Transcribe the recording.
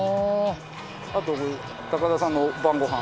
あと高田さんの晩ご飯。